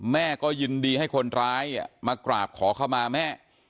แม่ก็ยินดีให้คนร้ายมากราบขอเข้ามาแม่